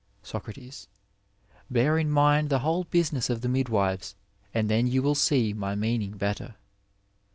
Soc. Bear in mind the whole business of the midwives, and then you wiU see my meaning better.